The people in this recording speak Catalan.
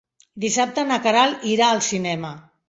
Dissabte na Queralt irà al cinema.